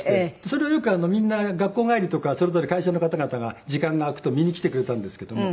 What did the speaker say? それをよくみんな学校帰りとかそれぞれ会社の方々が時間が空くと見に来てくれたんですけども。